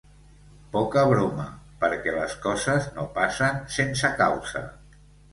Poca broma, perquè les coses no passen sense causa.